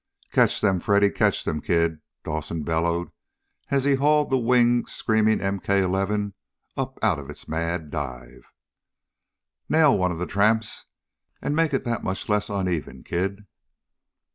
"Catch them Freddy, catch them, kid!" Dawson bellowed as he hauled the wing screaming MK 11 up out of its mad dive. "Nail one of the tramps, and make it that much less uneven, kid!"